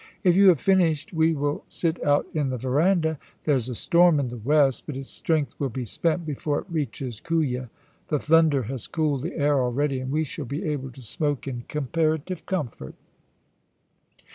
If you have finished we will sit out in the verandah. There's a storm in the west, but its strength will be spent before it reaches Kooya. The thunder has cooled the air already, and we shall be able to smoke in comparative comfort.'